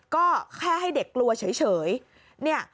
ก็แค่ให้เด็กกลัวเฉย